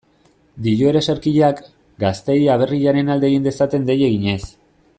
Dio ereserkiak, gazteei aberriaren alde egin dezaten dei eginez.